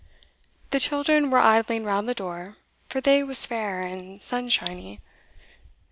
The children were idling round the door, for the day was fair and sun shiney.